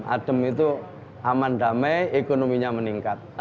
adem itu aman damai ekonominya meningkat